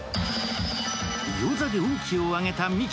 餃子で運気を上げたミキ。